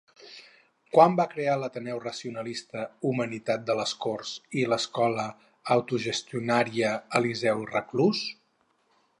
Quan va crear l'Ateneu racionalista Humanitat de Les Corts i l'Escola autogestionària Eliseu Reclús?